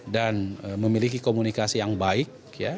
dan memiliki komunikasi yang baik